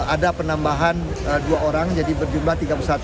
ada penambahan dua orang jadi berjumlah tiga puluh satu